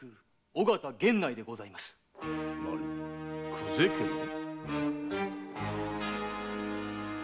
久世家の。